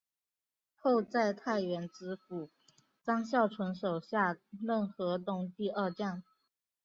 后在太原知府张孝纯手下任河东第二将。